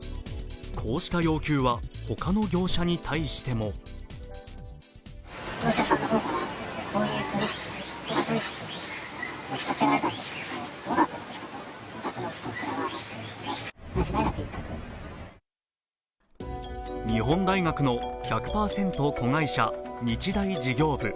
こうした要求は、他の業者に対しても日本大学の１００％子会社日大事業部。